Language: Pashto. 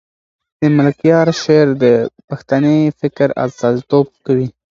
د ملکیار شعر د پښتني فکر استازیتوب کوي.